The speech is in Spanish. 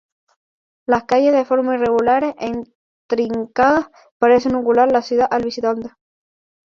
Las calles de formas irregulares e intrincadas, parecen ocultar la ciudad al visitante.